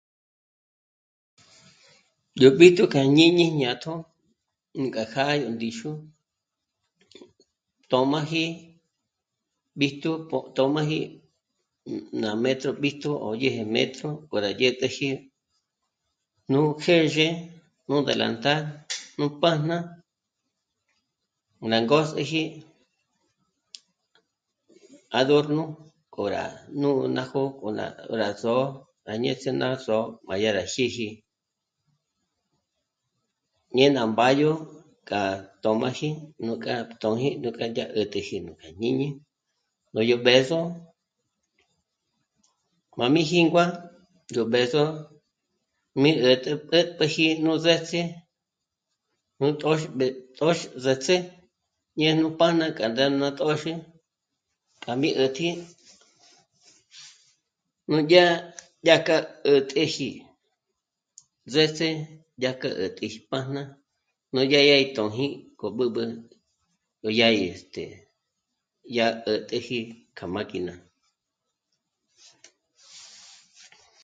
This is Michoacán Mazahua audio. Yó b'íjtu kja jñíñi jñátjo ngéka kjâ'a yó ndixu tö̌m'aji b'íjtu po tö̌m'aji ná metro b'íjtu k'odyéje metro k'o rá dyä̀t'äji nú kjèzhe, nú delantal, nú pájna, ná ngôs'íji, adorno k'o rá nù'u ná jó'o, k'o rá s'ó'o rá ñéts'e ná só'o má yá ra xíji, ñé ná mbádyo k'a tö̌m'aji nújk'a tö̌ji rá yá 'ä̀täji nú kja jñíñi. K'o yó b'ë̌zo má mi jíngua, yó b'ë̌zo mí ä̀'t'äpjäji nú ts'éts'e, nú tôx... ts'éts'e, ñe nú pájna k'a ná töxü k'a mí 'ä̀tji núdyá, nudyá k'a 'ä̀t'äji, ts'éts'é k'a 'ä̀t'äji pájna núdyá yá í tóji k'o b'ǚb'ü k'o yá gí este... ya 'ä̀t'äji k'a máquina